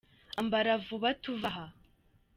Ambara vuba tuve aha.